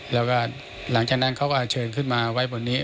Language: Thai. แล้วก็หลังจากนั้นเขาก็เชิญขึ้นมาไว้บนนี้